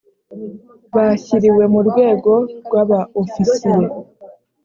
bashyiriwe mu rwego rwa ba ofisiye